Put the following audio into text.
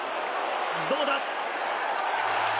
どうだ。